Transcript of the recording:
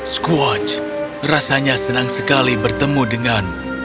squatch rasanya senang sekali bertemu dengan